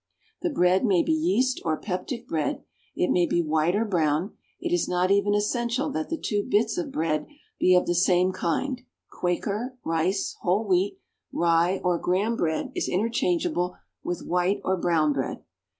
The bread may be yeast or peptic bread. It may be white or brown. It is not even essential that the two bits of bread be of the same kind; Quaker, rice, whole wheat, rye or graham bread is interchangeable with white or brown bread.